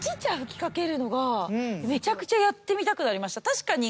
確かに。